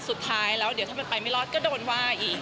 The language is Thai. สุดท้ายแล้วเดี๋ยวถ้ามันไปไม่รอดก็โดนว่าอีก